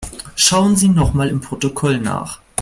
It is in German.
Schauen Sie nochmal im Protokoll nach.